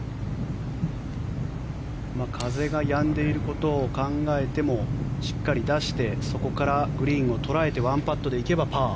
風がやんでいることを考えてもしっかり出してそこからグリーンを捉えて１パットで行けばパー。